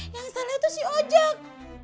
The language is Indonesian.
yang sana tuh si ojak